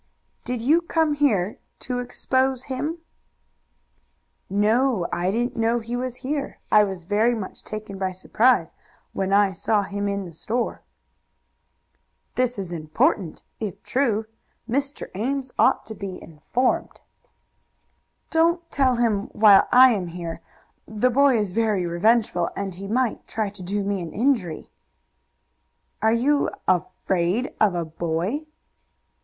"Did you come here to expose him?" "No; I didn't know he was here. I was very much taken by surprise when I saw him in the store." "This is important, if true. Mr. Ames ought to be informed." "Don't tell him while I am here. The boy is very revengeful, and he might try to do me an injury." "Are you afraid of a boy?"